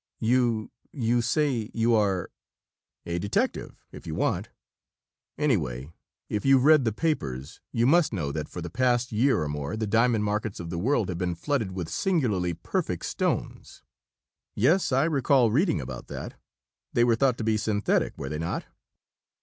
"You you say you are ?" "A detective, if you want. Anyway, if you've read the papers, you must know that for the past year or more the diamond markets of the world have been flooded with singularly perfect stones." "Yes, I recall reading about that. They were thought to be synthetic, were they not?"